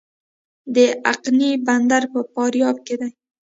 د اقینې بندر په فاریاب کې دی